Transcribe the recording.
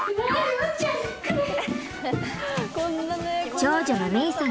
長女の芽依さん